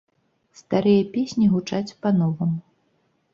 Старыя песні гучаць па-новаму.